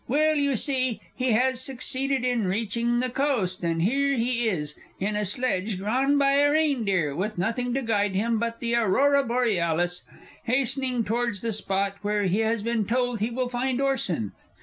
Well, you see, he has succeeded in reaching the coast, and here he is in a sledge drawn by a reindeer, with nothing to guide him but the Aurora Borealis, hastening towards the spot where he has been told he will find Orson.